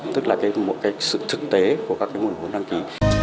tức là sự thực tế của các nguồn vốn đăng ký